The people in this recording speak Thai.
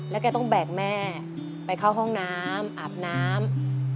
แล้วแกต้องแบกแม่ไปเข้าห้องน้ำอาบน้ำ